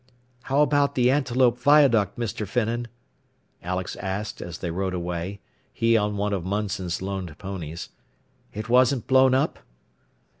"How about the Antelope viaduct, Mr. Finnan?" Alex asked as they rode away, he on one of Munson's loaned ponies. "It wasn't blown up?"